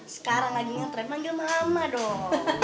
sekarang lagi ada yang panggil mama dong